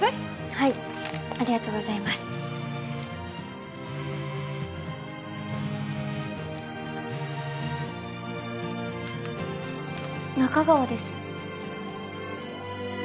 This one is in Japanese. はいありがとうございます仲川です